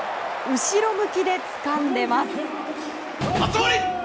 後ろ向きでつかんでいます。